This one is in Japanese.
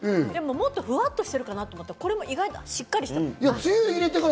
もっとふわっとしてるかなと思ったら、これもしっかりしてる。